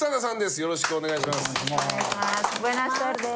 よろしくお願いします。